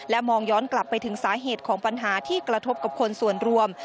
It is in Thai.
มองย้อนกลับไปถึงสาเหตุของปัญหาที่กระทบกับคนส่วนรวม